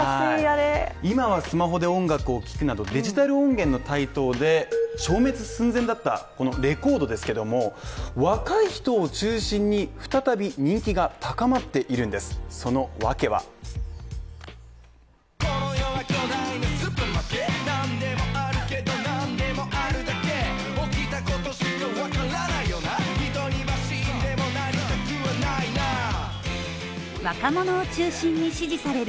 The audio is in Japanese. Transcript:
今はスマホで音楽を聞くなどデジタル音源の台頭で、消滅寸前だったこのレコードですけども若い人を中心に再び人気が高まっているんですその訳は若者を中心に支持される